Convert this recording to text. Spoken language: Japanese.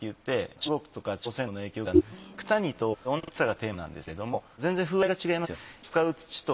九谷と同じツユクサがテーマなんですけれども全然風合いが違いますよね。